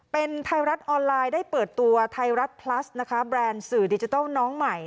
เป็นไทยรัฐออนไลน์ได้เปิดตัวไทยรัฐพลัสนะคะแบรนด์สื่อดิจิทัลน้องใหม่